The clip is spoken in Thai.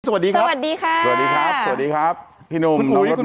สวัสดีครับสวัสดีครับสวัสดีครับสวัสดีครับสวัสดีครับพี่นุ่มคุณอุ๋ย